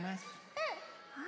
うん。